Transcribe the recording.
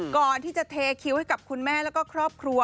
ก่อนที่จะเทคิวให้กับคุณแม่แล้วก็ครอบครัว